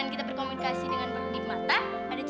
ngapain di sini sama aku